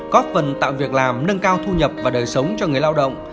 góp phần tạo việc làm nâng cao thu nhập và đời sống cho người lao động